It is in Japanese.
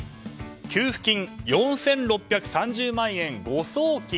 給付金４６３０万円、誤送金。